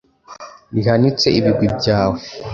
Rihanitse ibigwi byawe